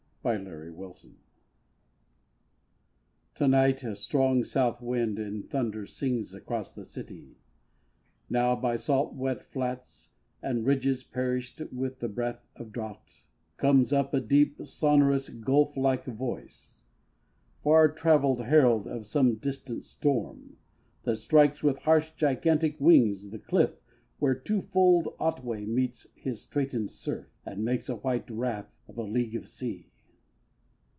At Her Window To night a strong south wind in thunder sings Across the city. Now by salt wet flats, And ridges perished with the breath of drought, Comes up a deep, sonorous, gulf like voice Far travelled herald of some distant storm That strikes with harsh gigantic wings the cliff, Where twofold Otway meets his straitened surf, And makes a white wrath of a league of sea.